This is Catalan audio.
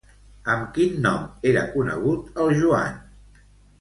Amb quin nom era conegut el Joan?